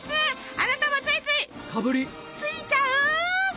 あなたもついつい「かぶり」ついちゃう？